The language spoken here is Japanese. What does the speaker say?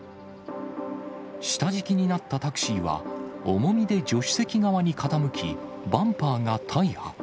下敷きになったタクシーは、重みで助手席側に傾き、バンパーが大破。